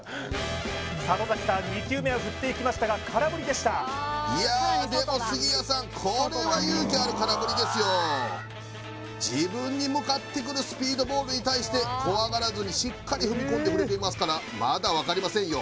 里崎さん２球目を振っていきましたが空振りでしたいやあでも杉谷さんこれは自分に向かってくるスピードボールに対して怖がらずにしっかり踏み込んで振れていますからまだ分かりませんよ